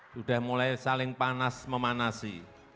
sudah mulai saling panas memanasi